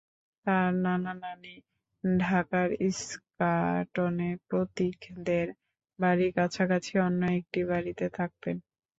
তাঁর নানা-নানি ঢাকার ইস্কাটনে প্রতীকদের বাড়ির কাছাকাছি অন্য একটি বাড়িতে থাকতেন।